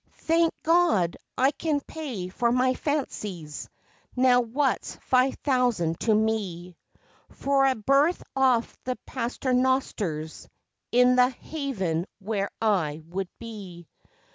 Thank Gawd, I can pay for my fancies! Now what's five thousand to me, For a berth off the Paternosters in the haven where I would be?